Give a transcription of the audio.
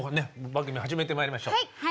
番組始めてまいりましょう。